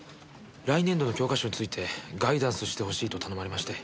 来年度の教科書についてガイダンスしてほしいと頼まれまして。